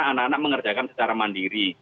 anak anak mengerjakan secara mandiri